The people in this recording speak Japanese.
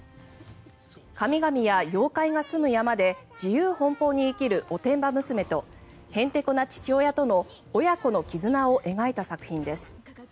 神々や妖怪がすむ山で自由奔放に生きるおてんば娘とへんてこな父親との親子の絆を描いた作品です。